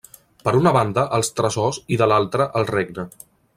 Per una banda els tresors i de l'altra el regne.